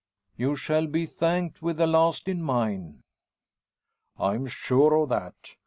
"You shall be thanked with the last in mine." "I'm sure of that.